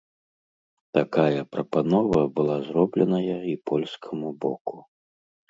Такая прапанова была зробленая і польскаму боку.